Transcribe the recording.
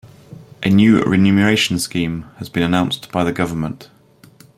A new renumeration scheme has been announced by the government.